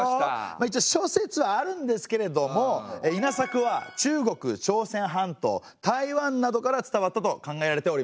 諸説あるんですけれども稲作は中国朝鮮半島台湾などから伝わったと考えられております。